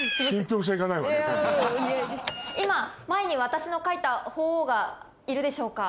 今前に私の描いた鳳凰がいるでしょうか？